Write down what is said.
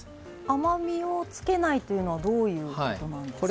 甘みをつけないというのはどういうことなんですか？